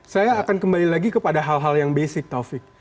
saya akan kembali lagi kepada hal hal yang basic taufik